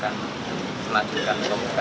kan mencari menceritakan